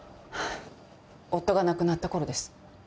夫が亡くなったころです。